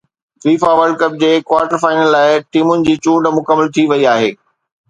FIFA world cup جي quarter final لاءِ ٽيمن جي چونڊ مڪمل ٿي وئي آهي